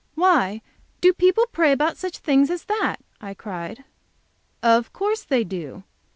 "Why, do people pray about such things as that?" I cried. "Of course they do.